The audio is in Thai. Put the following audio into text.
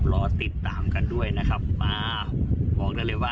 รอติดตามกันด้วยนะครับมาบอกได้เลยว่า